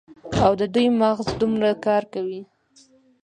او د دوي مغـز دومـره کـار کـوي.